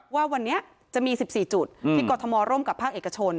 ว่าวันนี้จะมี๑๔จุดที่กรทมร่วมกับภาคเอกชน